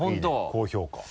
高評価。